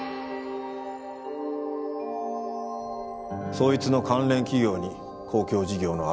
そいつの関連企業に公共事業のあっせんを。